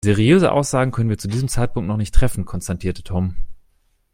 "Seriöse Aussagen können wir zu diesem Zeitpunkt noch nicht treffen", konstatierte Tom.